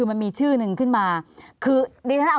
ภารกิจสรรค์ภารกิจสรรค์